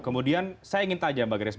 kemudian saya ingin tanya mbak grace